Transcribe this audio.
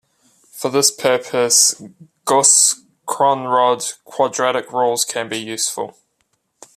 For this purpose, Gauss-Kronrod quadrature rules can be useful.